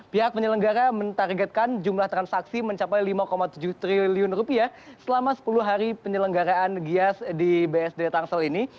pihak penyelenggara mentargetkan jumlah transaksi mencapai lima tujuh triliun rupiah selama sepuluh hari penyelenggaraan gias di bsd tangsel ini